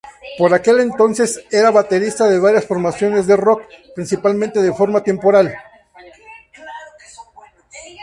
Por aquel entonces, era baterista de varias formaciones de rock, principalmente de forma temporal.